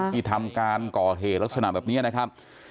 ที่ทำการก่อเหตุลักษณะแบบนี้นะครับ